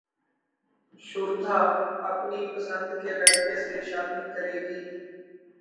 شردہا اپنی پسند کے لڑکے سے شادی کرے گی